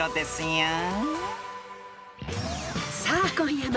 ［さあ今夜も］